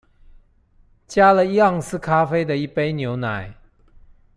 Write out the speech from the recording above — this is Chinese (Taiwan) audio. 加了一盎司咖啡的一杯牛奶